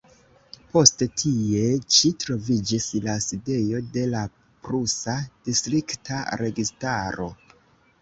Poste tie ĉi troviĝis la sidejo de la prusa distrikta registaro.